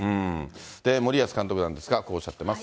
森保監督なんですが、こうおっしゃっています。